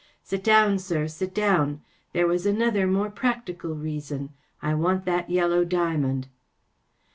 44 Sit down, sir, sit down 1 There was another, more practical, reason. I want that yellow diamond